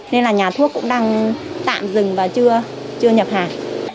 nên là nhà thuốc cũng đang tạm dừng và chưa nhập hàng